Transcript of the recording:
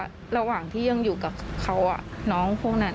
ความโหโชคดีมากที่วันนั้นไม่ถูกในไอซ์แล้วเธอเคยสัมผัสมาแล้วว่าค